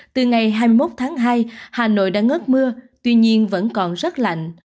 từ ngày hai mươi một tháng hai hà nội đã ngớt mưa tuy nhiên vẫn còn rất lạnh